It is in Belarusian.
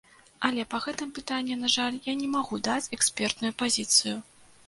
Але па гэтым пытанні, на жаль, я не магу даць экспертную пазіцыю.